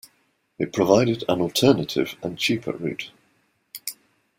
It provided an alternative and cheaper route.